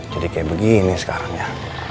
jadi kayak begini sekarang ya